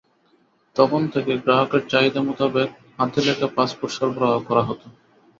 তখন থেকে গ্রাহকের চাহিদা মোতাবেক হাতে লেখা পাসপোর্ট সরবরাহ করা হতো।